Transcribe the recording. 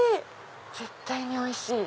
絶対においしい。